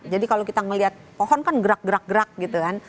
jadi kalau kita melihat pohon kan gerak gerak gitu kan